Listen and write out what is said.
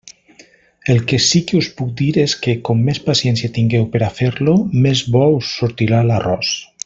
El que sí que us puc dir és que com més paciència tingueu per a fer-lo, més bo us sortirà l'arròs.